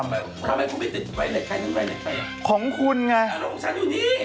ทำไมคุณไม่ติดไวเล็ตใครนึงไวเล็ตใครนึงของคุณไงของฉันอยู่นี่